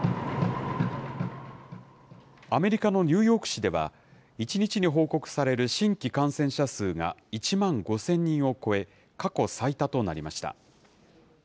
アメリカのニューヨーク市では、１日に報告される新規感染者数が１万５０００人を超え、過去最多となりました。